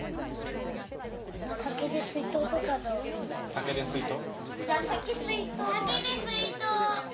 竹で水筒？